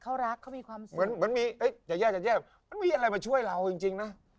เขารักเขามีความสุขเหมือนมีจะแย่จะแย่มันมีอะไรมาช่วยเราจริงนะ